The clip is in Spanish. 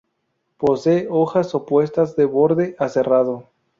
Posee hojas opuestas, de borde aserrado.